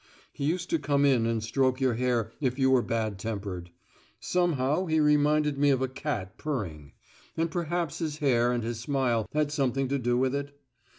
He used to come in and stroke your hair if you were bad tempered. Somehow he reminded me of a cat purring; and perhaps his hair and his smile had something to do with it?